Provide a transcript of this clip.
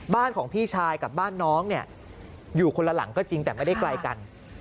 บ้านของพี่ชายกับบ้านน้องเนี่ยอยู่คนละหลังก็จริงแต่ไม่ได้ไกลกัน